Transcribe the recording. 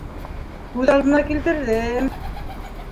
Күҙ алдына килтерҙем!